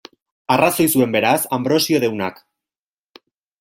Arrazoi zuen, beraz, Anbrosio deunak.